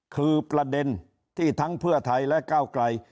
คือประเด็นที่ทั้งเพื่อไทยและก้าวไกล